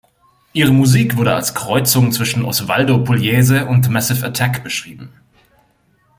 Ihre Musik wurde als Kreuzung zwischen Osvaldo Pugliese und Massive Attack beschrieben.